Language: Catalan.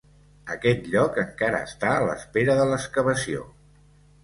Aquest lloc encara està a l'espera de l'excavació.